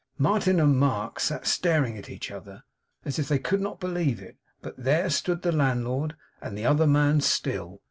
Martin and Mark sat staring at each other, as if they could not believe it; but there stood the landlord, and the other man still.